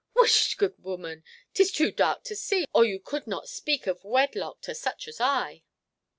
"Whisht, good woman. 'Tis too dark to see, or you could not speak of wedlock to such as I.